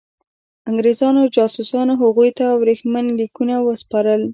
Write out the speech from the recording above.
انګرېزانو جاسوسانو هغوی ته ورېښمین لیکونه وسپارل.